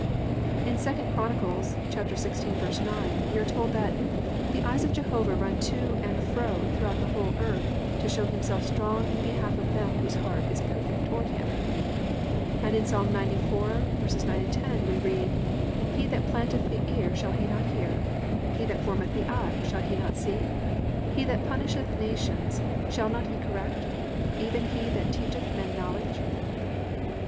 In 2 Chron. 16:9 we are told that +"The eyes of Jehovah run to and fro throughout the whole earth, to show himself strong in the behalf of them whose heart is perfect toward him,"+ and in Ps. 94:9, 10 we read: +"He that planteth the ear, shall he not hear? He that formed the eye, shall he not see? He that punisheth nations, shall not he correct? Even he that teacheth men knowledge?"